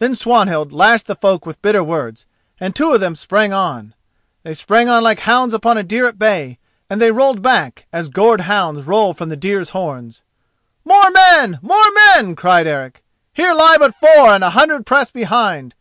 Then Swanhild lashed the folk with bitter words, and two of them sprang on. They sprang on like hounds upon a deer at bay, and they rolled back as gored hounds roll from the deer's horns. "More men! more men!" cried Eric. "Here lie but four and a hundred press behind.